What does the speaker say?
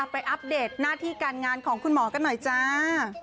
อัปเดตหน้าที่การงานของคุณหมอกันหน่อยจ้า